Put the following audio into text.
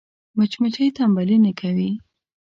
مچمچۍ تنبلي نه کوي